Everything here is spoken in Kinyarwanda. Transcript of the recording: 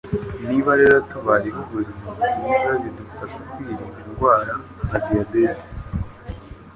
Niba rero tubayeho ubuzima bwiza bidufasha kwirinda indwara nka diyabete